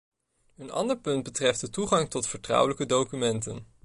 Een ander punt betreft de toegang tot vertrouwelijke documenten.